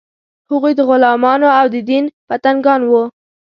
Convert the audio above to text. هغوی د غلمانو او د دین پتنګان وو.